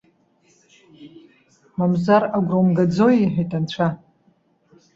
Мамзар агәра умгаӡои?- иҳәеит Анцәа.